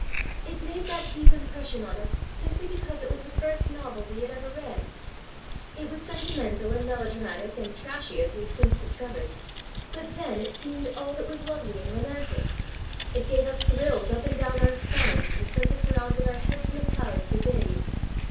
"It made that deep impression on us simply because it was the first novel we had ever read. It was sentimental and melodramatic and trashy as we've since discovered, but then it seemed all that was lovely and romantic. It gave us thrills up and down our spines and sent us around with our heads in the clouds for days.